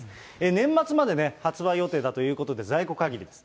年末までね、発売予定だということで、在庫限りです。